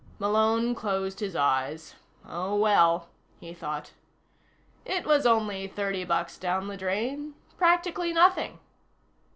Malone closed his eyes. Oh, well, he thought. It was only thirty bucks down the drain. Practically nothing.